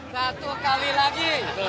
satu kali lagi